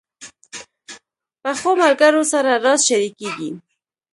پخو ملګرو سره راز شریکېږي